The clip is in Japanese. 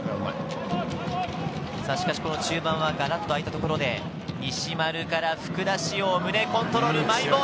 しかし中盤はガラっと空いたところで西丸から福田師王、コントロール、マイボール。